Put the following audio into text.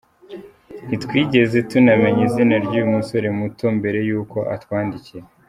Ntitwigeze tunamenya izina ry’uyu musore muto mbere y’uko atwandikira.